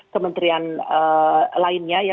kementerian lainnya ya